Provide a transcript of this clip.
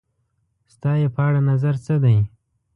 ستا یی په اړه نظر څه دی؟